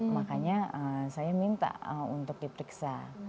makanya saya minta untuk diperiksa